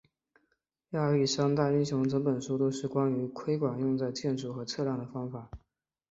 亚历山大英雄整本书都是关于窥管用在建筑和测量的方法。